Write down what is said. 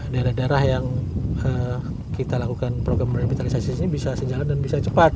daerah daerah yang kita lakukan program revitalisasi ini bisa sejalan dan bisa cepat